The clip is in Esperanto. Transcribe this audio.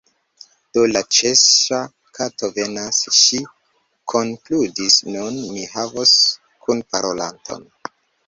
"Do, la Ĉeŝŝa_ Kato venas," ŝi konkludis, "nun mi havos kunparolanton."